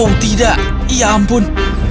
oh tidak ya ampun